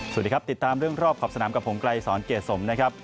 สวัสดีครับติดตามเรื่องรอบขอบสนามกับผมไกลสอนเกรดสมนะครับ